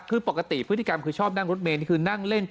คือปกติพฤติกรรมคือชอบนั่งรถเมล์